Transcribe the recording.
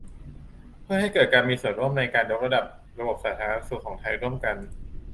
เพื่อให้เกิดการมีส่วนร่วมในการยกระดับระบบสาธารณสุของไทยร่วมกัน